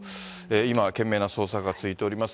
今は懸命な捜索が続いております。